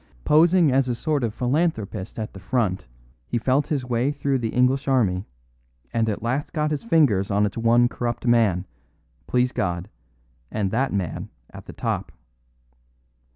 Posing as a sort of philanthropist at the front, he felt his way through the English Army, and at last got his fingers on its one corrupt man please God! and that man at the top.